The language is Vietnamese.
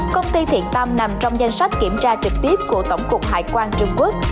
công ty thiện tâm nằm trong danh sách kiểm tra trực tiếp của tổng cục hải quan trung quốc